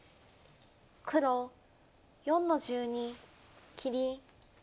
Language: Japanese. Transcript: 黒４の十二切り。